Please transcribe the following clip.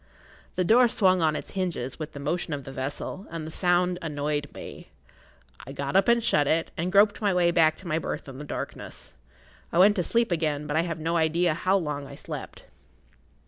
The door swung on its hinges with the motion of the vessel, and the sound annoyed me. I got up and shut it, and groped my way back to my berth in the darkness. I went to sleep again; but I have no idea how long I slept.